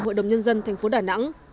hội đồng nhân dân thành phố đà nẵng